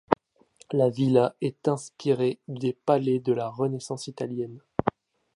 La villa est inspirée des palais de la Renaissance italienne.